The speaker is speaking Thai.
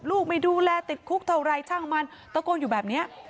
ไม่ดูแลติดคุกเท่าไรช่างมันตะโกนอยู่แบบนี้